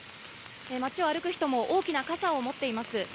街を歩く人も大きな傘を持っています。